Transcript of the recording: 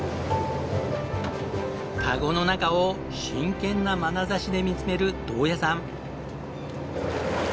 カゴの中を真剣なまなざしで見つめる銅谷さん。